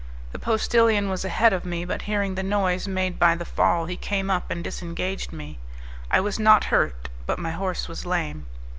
The postillion was ahead of me, but hearing the noise made by the fall he came up and disengaged me; I was not hurt, but my horse was lame.